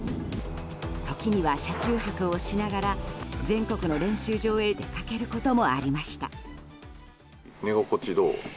時には車中泊をしながら全国の練習場へ出かけることもありました。